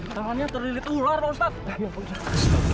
tangannya terlilih ular pak ustadz